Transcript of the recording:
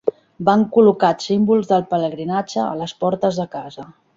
Van col·locat símbols del pelegrinatge a les portes de casa.